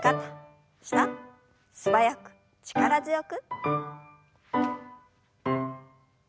素早く力強く。